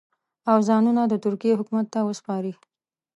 او ځانونه د ترکیې حکومت ته وسپاري.